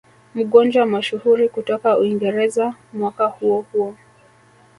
Mgonjwa mashuhuri kutoka Uingereza mwaka huo huo